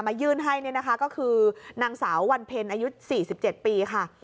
มายื่นให้เนี้ยนะคะก็คือนางสาววันเพลอายุสี่สิบเจ็ดปีค่ะ